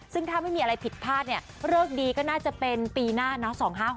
ซึ่งถ้าไม่มีอะไรผิดพลาดเนี่ยเลิกดีก็น่าจะเป็นปีหน้าเนาะ